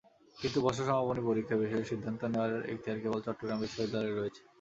কিন্তু বর্ষ সমাপনী পরীক্ষার বিষয়ে সিদ্ধান্ত নেওয়ার এখতিয়ার কেবল চট্টগ্রাম বিশ্ববিদ্যালয়ের রয়েছে।